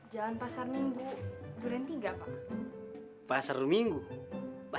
jalan pasar minggu durian tiga pak